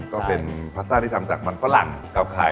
ก็เป็นพาสต้าที่ทำจากมันฝรั่งเก่าไข่